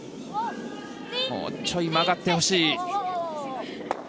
もうちょい曲がってほしい。